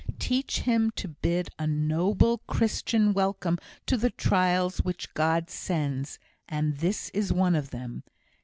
Teach him to bid a noble, Christian welcome to the trials which God sends and this is one of them.